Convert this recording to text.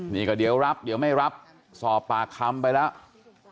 นี่ก็เดี๋ยวรับเดี๋ยวไม่รับสอบปากคำไปแล้ว